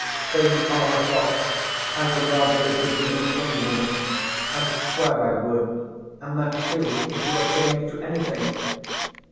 Though you are a fox I would rather live with you than any woman. I swear I would, and that too if you were changed to anything."